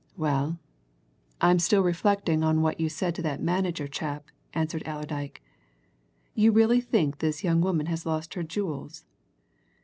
"Well, I'm still reflecting on what you said to that manager chap," answered Allerdyke. "You really think this young woman has lost her jewels?"